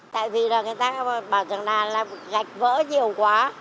tại vì là người ta bảo rằng là gạch vỡ nhiều quá